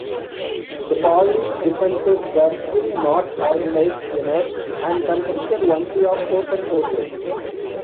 The Polish defences were still not organised enough and consisted only of token forces.